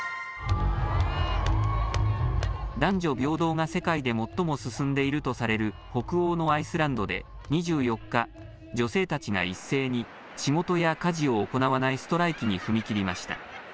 男女平等が世界で最も進んでいるとされる北欧のアイスランドで２４日、女性たちが一斉に仕事や家事を行わないストライキに踏み切りました。